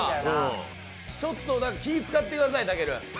ちょっと気を使ってください、たける。